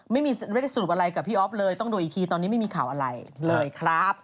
ไม่ได้สรุปอะไรกับพี่อ๊อฟเลยต้องดูอีกทีตอนนี้ไม่มีข่าวอะไรเลยครับ